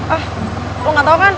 eh lo gak tau kan